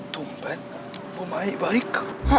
tumpen mau main baik